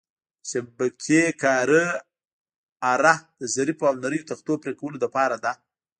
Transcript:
د شبکې کارۍ اره د ظریفو او نریو تختو پرېکولو لپاره ده.